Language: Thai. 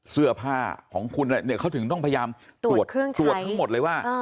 เสื้อผ้าของคุณเขาถึงต้องพยายามตรวจทั้งหมดเลยว่า